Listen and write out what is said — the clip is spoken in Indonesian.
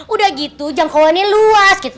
udah gitu jangkauannya luas gitu